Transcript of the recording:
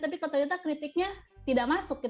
tapi kok ternyata kritiknya tidak masuk